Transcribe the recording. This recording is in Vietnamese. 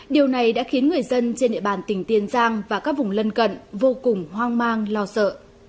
điều này đã khiến người dân trên địa bàn tỉnh tiền giang và các vùng lân cận vô cùng hoang mang lo sợ